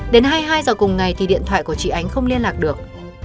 đến hai mươi hai h cùng ngày thì điện thoại của chị ánh không liên lạc được